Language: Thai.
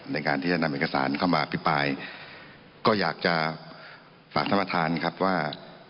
ในการที่จะนำเอกสารเข้ามาอภิปรายก็อยากจะฝากท่านประธานครับว่า